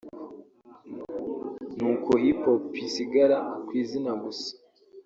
ni uko hip hop isigara ku izina gusa